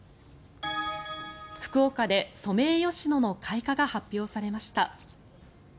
福岡でソメイヨシノの開花が発表されました。